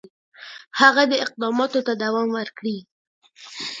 هغه دي اقداماتو ته دوام ورکړي.